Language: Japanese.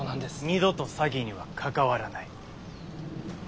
二度と詐欺には関わらない。